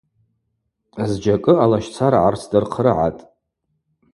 Зджьакӏы алащцара гӏарцдырхърыгӏатӏ.